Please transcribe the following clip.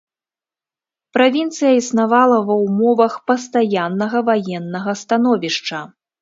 Правінцыя існавала ва ўмовах пастаяннага ваеннага становішча.